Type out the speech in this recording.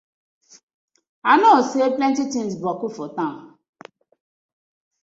I kno say plenty tinz boku for town.